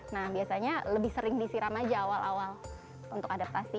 nah biasanya lebih sering disiram aja awal awal untuk adaptasi